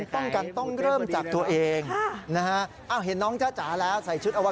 บ้านหนูต้องเปิดร้านล้างรถหนูต้องเชื่อแม่ล้างรถ